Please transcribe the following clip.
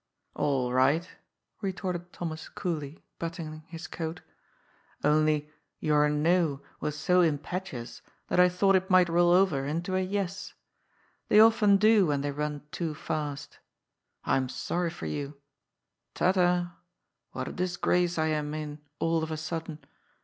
^^ All right," retorted Thomas coolly, buttoning his coat. " Only your * no ' was so impetuous that I thought it might roll over into a *yes.' They often do when they run too * fast. I'm sorry for you. Ta ta ! What a disgrace I am in all of a sudden